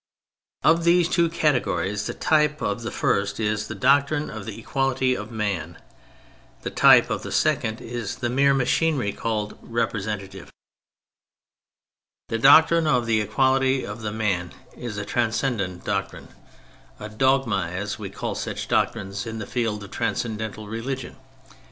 Of these two categories the type of the first is the doctrine of the equality of man; the type of the second is the mere machinery called '' representative." 22 THE FRENCH REVOLUTION The doctrine of the equality of the man is a transcendent doctrine: a *' dogma," as we call such doctrines in the field of transcendental religion.